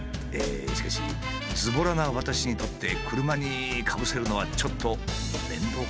しかしずぼらな私にとって車にかぶせるのはちょっと面倒かな。